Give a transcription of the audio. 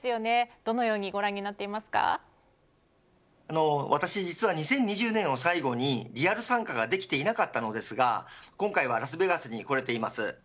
どのように私、実は２０２０年を最後にリアル参加ができていなかったのですが今回はラスベガスに来れております。